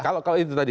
kalau itu tadi